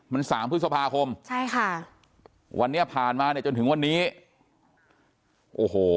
มันสามพฤษภาคมใช่ค่ะวันนี้ผ่านมาเนี่ยจนถึงวันนี้โอ้โห